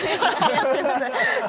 すいません。